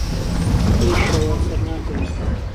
لێیشهوه سهر ناکهوی